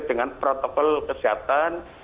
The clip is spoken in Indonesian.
dengan protokol kesehatan